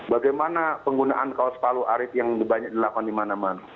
bagaimana penggunaan kaos palu arit yang banyak dilakukan di mana mana